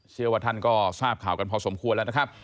เชื่อว่าท่านก็ทราบข่าวกันพอสมควรแล้วนะครับ